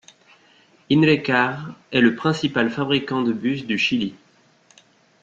Inrecar est le principal fabricant de bus du Chili.